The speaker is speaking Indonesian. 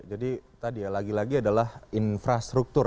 jadi tadi ya lagi lagi adalah infrastruktur